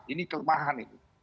ini kelemahan itu